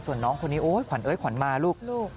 ส่วนน้องคนนี้โอ๊ยขวัญเอ้ยขวัญมาลูก